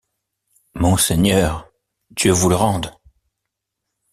Monseigneur, Dieu vous le rende !